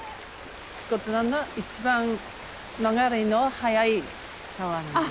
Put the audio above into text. スコットランド一番流れの速い川なんです。